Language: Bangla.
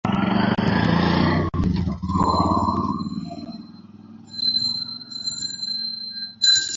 নারী শ্রমিকদের পূর্ণ বেতনে চার মাসের মাতৃত্বকালীন ছুটি দেওয়ার বিধান রাখা হয়েছে।